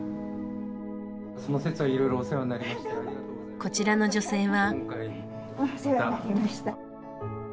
こちらの女性は。